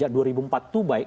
dua ribu empat itu baik